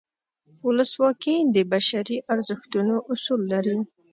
ولسواکي د بشري ارزښتونو اصول لري.